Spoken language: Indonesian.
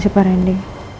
terima kasih pak randy